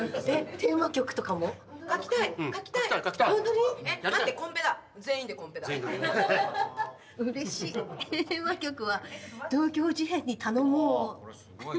テーマ曲は東京事変に頼もう。